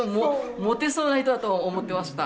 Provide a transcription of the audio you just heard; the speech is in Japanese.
モテそうな人だと思ってました。